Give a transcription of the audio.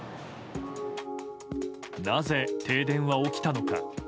なぜ停電は起きたのか。